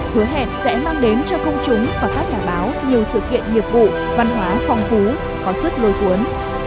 hứa hẹn sẽ mang đến cho công chúng và các nhà báo nhiều sự kiện nghiệp vụ văn hóa phong phú có sức lôi cuốn